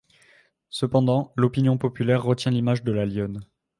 Cependant, l'opinion populaire retient l'image de la lionne.